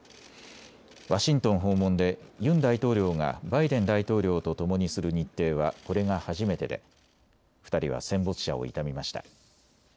ワシントン訪問でユン大統領がバイデン大統領と共にする日程はこれが初めてで２人は戦没者を悼みました。